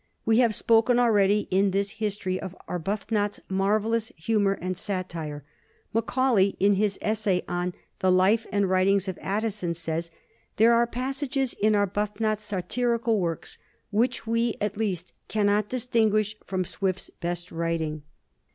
We have spoken already in this history of Arbuthnot's marvellous humor and satire. Macaulay, in his essay on '^ The Life and Writings of Addison," says ^' there are passages in Arbuthnot's satirical works which we, at least, cannot dis tinguish from Swift's best writing."